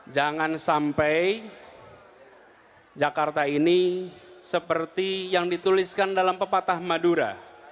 jangan sampai jakarta ini seperti yang dituliskan dalam pepatah madura